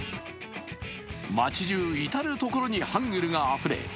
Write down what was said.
町じゅう至る所にハングルがあふれ